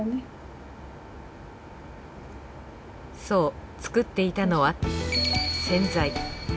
そう作っていたのは洗剤。